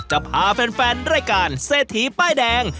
จะพาแฟนด้วยกันเสธถีป้ายแดง